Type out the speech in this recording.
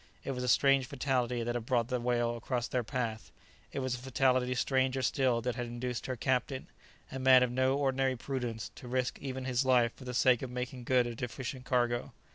It was a strange fatality that had brought the whale across their path; it was a fatality stranger still that had induced her captain, a man of no ordinary prudence, to risk even his life for the sake of making good a deficient cargo.